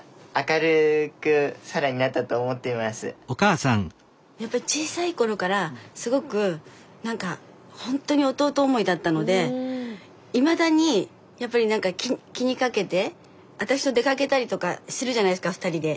だけど小さい頃からすごくほんとに弟思いだったのでいまだに気にかけて私と出かけたりとかするじゃないですか２人で。